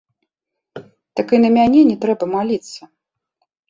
Так і на мяне не трэба маліцца.